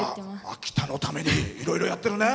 秋田のためにいろいろやってるね。